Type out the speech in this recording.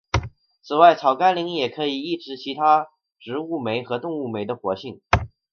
此外草甘膦也可以抑制其他植物酶和动物酶的活性。